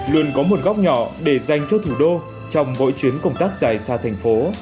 luôn có một góc nhỏ để dành cho thủ đô trong mỗi chuyến công tác dài xa thành phố